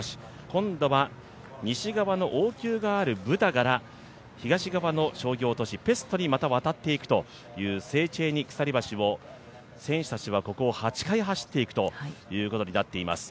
今度は西側の王宮があるブダから、東側の商業都市ペストにまた渡っていくという、セーチェーニ鎖橋を選手たちはここを８回走っていくということになっています。